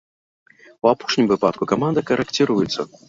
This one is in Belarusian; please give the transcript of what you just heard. У апошнім выпадку каманда карэкціруецца.